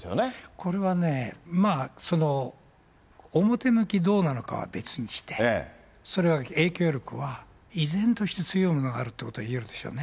これはね、表向きどうなのかは別にして、それは影響力は依然として強いものがあるということは言えるでしね。